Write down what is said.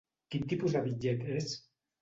Quin tipus de bitllet és?